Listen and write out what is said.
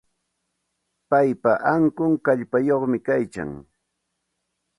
Paypa ankun kallpayuqmi kaykan.